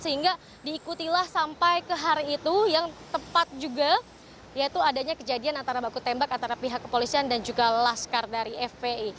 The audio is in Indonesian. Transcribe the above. sehingga diikutilah sampai ke hari itu yang tepat juga yaitu adanya kejadian antara baku tembak antara pihak kepolisian dan juga laskar dari fpi